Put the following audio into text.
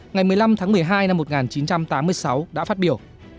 ngày một mươi năm tháng một mươi hai năm một nghìn chín trăm tám mươi sáu đã phát biểu